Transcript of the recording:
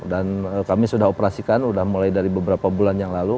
dan kami sudah operasikan sudah mulai dari beberapa bulan yang lalu